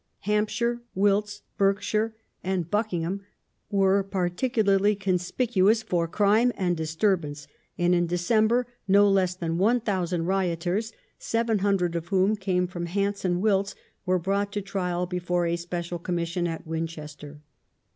Hampshire, Wilts, Berkshire, and Buck ingham were particularly conspicuous for crime and disturbance,"* and in December no less than 1,000 rioters, 700 of whom came from Hants and Wilts, were brought to trial before a Sj)ecial Commission at Winchester.